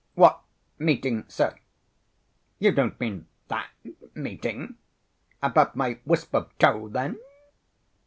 "What meeting, sir? You don't mean that meeting? About my 'wisp of tow,' then?"